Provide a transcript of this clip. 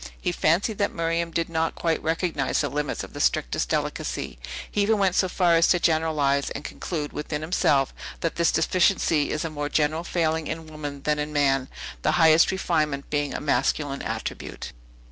He fancied that Miriam did not quite recognize the limits of the strictest delicacy; he even went so far as to generalize, and conclude within himself, that this deficiency is a more general failing in woman than in man, the highest refinement being a masculine attribute.